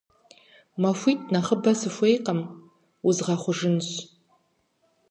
МахуитӀ нэхъыбэ сыхуейкъым, узгъэхъужынщ.